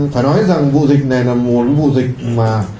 phải nói rằng vụ dịch này là một vụ dịch mà